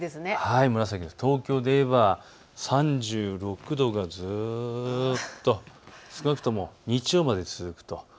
東京でいえば３６度がずっと少なくとも日曜日まで続くと。